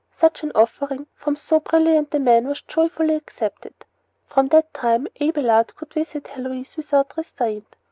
Such an offer coming from so brilliant a man was joyfully accepted. From that time Abelard could visit Heloise without restraint.